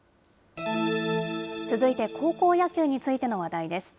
続いて高校野球についての話題です。